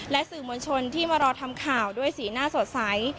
สื่อมวลชนที่มารอทำข่าวด้วยสีหน้าสดใส